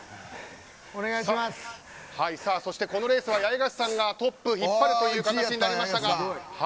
このレースは八重樫さんがトップを引っ張る形になりました。